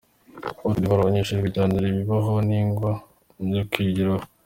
Cote d’Ivoir: Abanyeshuri bijyanira ibibaho n’ingwa byo kwigiraho.